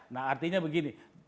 nah artinya begini